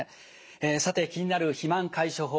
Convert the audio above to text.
さて気になる肥満解消法